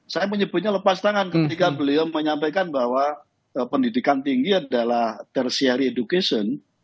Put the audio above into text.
saya menyebutnya lepas tangan ketika beliau menyampaikan bahwa pendidikan tinggi adalah tersiary education